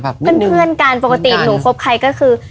เพื่อนกันปกติหนูคบใครก็คือ